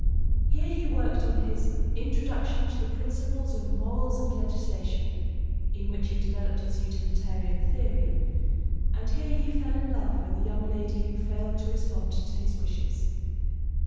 Here he worked on his 'Introduction to the Principles of Morals and Legislation,' in which he developed his utilitarian theory, and here he fell in love with a young lady who failed to respond to his wishes.